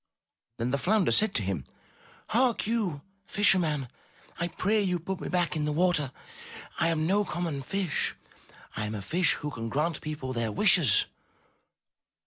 Then the flounder said to him, ''Hark, you, fisher man, I pray you put me back in the water. I am no common fish; I am a fish who can grant people their wishes.''